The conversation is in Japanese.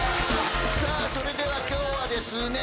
さあそれでは今日はですね。